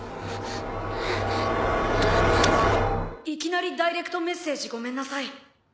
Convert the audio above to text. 「いきなりダイレクトメッセージごめんなさい」